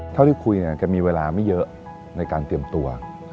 เท่าที่คุยจะมีเวลาไม่เยอะในการเตรียมตัว